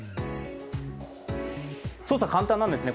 操作簡単ですね。